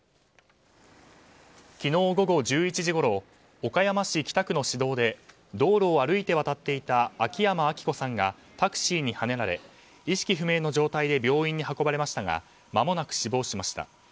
昨日午後１１時ごろ岡山市北区の市道で道路を歩いて渡っていた秋山昭子さんがタクシーにはねられ意識不明の状態で病院に運ばれましたがまもなく死亡しました。